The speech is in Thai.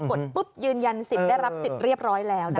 กดปุ๊บยืนยันสิทธิ์ได้รับสิทธิ์เรียบร้อยแล้วนะคะ